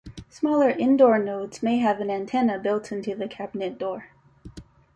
Smaller indoor nodes may have an antenna built into the cabinet door.